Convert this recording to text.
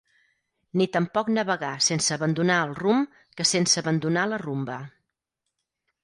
Ni tampoc navegar sense abandonar el rumb que sense abandonar la rumba.